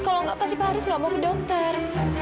kalau enggak pasti pak haris enggak mau ke dokter